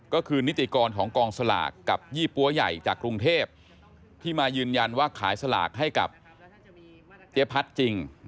ก็คือนิติกรของกองสลากกับยี่ปั๊วใหญ่จากกรุงเทพที่มายืนยันว่าขายสลากให้กับเจ๊พัดจริง